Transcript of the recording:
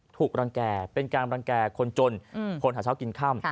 ถูกรังแก่เป็นการรังแก่คนจนคนหาเช้ากินค่ำ